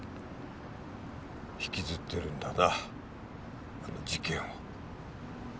引きずってるんだなあの事件を。